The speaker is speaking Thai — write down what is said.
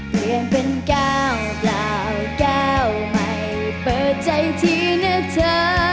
เปลี่ยนเป็นก้าวเปล่าแก้วใหม่เปิดใจทีนะเธอ